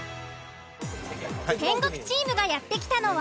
天国チームがやって来たのは？